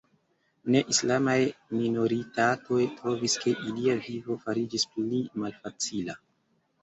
Ne-islamaj minoritatoj trovis ke ilia vivo fariĝis pli malfacila.